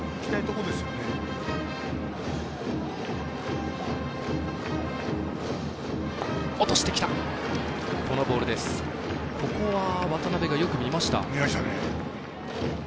ここは渡辺がよく見ました。